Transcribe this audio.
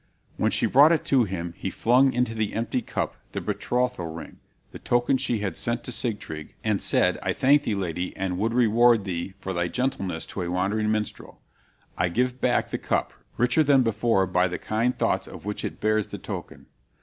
When she brought it to him he flung into the empty cup the betrothal ring, the token she had sent to Sigtryg, and said: "I thank thee, lady, and would reward thee for thy gentleness to a wandering minstrel; I give back the cup, richer than before by the kind thoughts of which it bears the token."